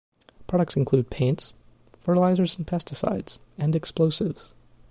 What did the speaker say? Products include paints, fertilizers and pesticides, and explosives.